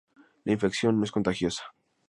La infección no es contagiosa.